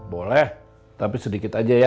boleh tapi sedikit aja ya